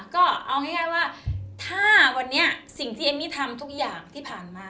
ก็เอาง่ายว่าถ้าวันนี้สิ่งที่เอมมี่ทำทุกอย่างที่ผ่านมา